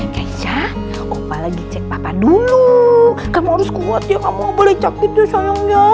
keisha opa lagi cek papa dulu kamu harus kuat ya kamu boleh cakit ya sayangnya